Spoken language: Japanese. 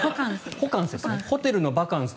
ホテルのバカンス。